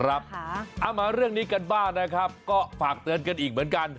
เอามาเรื่องนี้กันบ้างนะครับก็ฝากเตือนกันอีกเหมือนกัน